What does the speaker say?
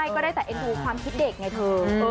ก็ได้แต่เอ็นดูความคิดเด็กไงเธอ